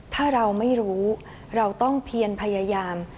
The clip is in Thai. ถ้าเราไม่รู้เราต้องเพียนพยายาม